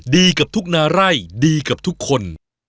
ดีกับทุกนาไร่ดีกับทุกคน